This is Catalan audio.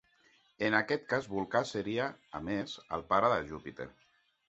En aquest cas Vulcà seria, a més, el pare de Júpiter.